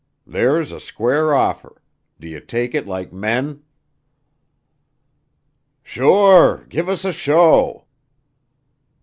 There's a square offer do ye take it like men?" "Sure! Give us a show!"